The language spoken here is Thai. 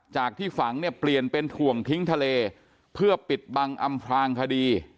จากที่ฝังเนี่ยเปลี่ยนเป็นถ่วงทิ้งทะเลเพื่อปิดบังอำพลางคดี